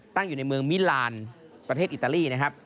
อยู่ในเมืองมิลานประเทศอิตาลีนะครับ